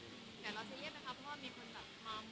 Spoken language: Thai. เพราะว่ามีคนแบบมามองว่าแบบ